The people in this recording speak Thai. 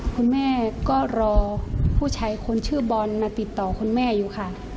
คุณแม่ก็รอผู้ชายคนชื่อบอลมาติดต่อคุณแม่อยู่ค่ะ